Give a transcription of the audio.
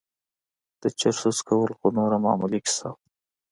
د چرسو څکول خو نوره معمولي کيسه وه.